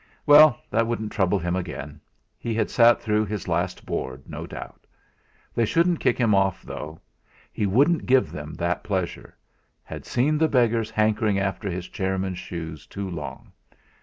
Well! that wouldn't trouble him again he had sat through his last Board, no doubt. They shouldn't kick him off, though; he wouldn't give them that pleasure had seen the beggars hankering after his chairman's shoes too long.